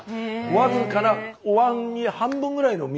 僅かなおわんに半分ぐらいの水。